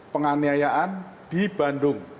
penganiayaan di bandung